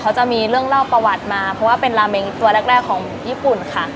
เขาจะมีเรื่องเล่าประวัติมาเพราะว่าเป็นราเมงตัวแรกของญี่ปุ่นค่ะ